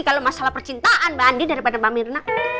kalau masalah percintaan mbak andi daripada mbak mirna